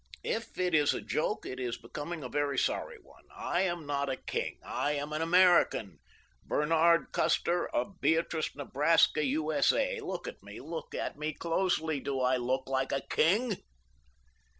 If it is a joke it is becoming a very sorry one. I am not a king. I am an American—Bernard Custer, of Beatrice, Nebraska, U.S.A. Look at me. Look at me closely. Do I look like a king?"